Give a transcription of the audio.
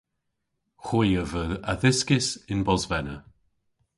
Hwi a veu adhyskys yn Bosvena.